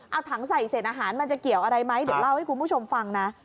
เอาถังใส่เศษอาหารมันจะเกี่ยวอะไรไหมเดี๋ยวเล่าให้คุณผู้ชมฟังนะ